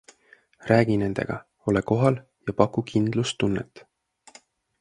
Räägi nendega, ole kohal ja paku kindlustunnet.